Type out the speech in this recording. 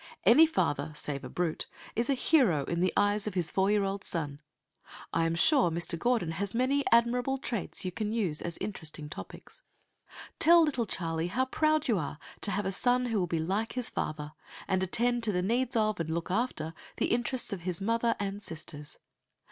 Any father, save a brute, is a hero in the eyes of his four year old son. I am sure Mr. Gordon has many admirable traits you can use as interesting topics. Tell little Charlie how proud you are to have a son who will be like his father, and attend to the needs of and look after the interests of his mother and sisters.